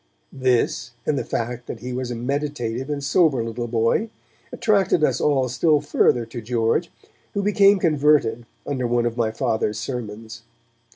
This, and the fact that he was a meditative and sober little boy, attracted us all still further to George, who became converted under one of my Father's sermons.